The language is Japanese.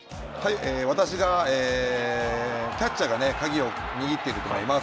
私は、キャッチャーが鍵を握っていると思います。